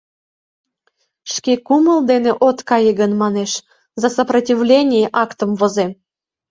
— Шке кумыл дене от кае гын, манеш, «за сопротивление» актым возем.